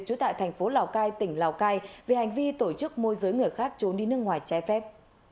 trú tại thành phố lào cai tỉnh lào cai về hành vi tổ chức môi giới người khác trốn đi nước ngoài trái phép